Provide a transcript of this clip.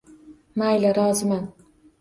Mayli, roziman.